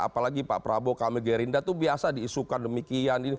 apalagi pak prabowo kamil gerinda itu biasa diisukan demikian